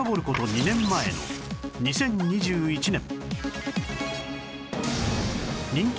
２年前の２０２１年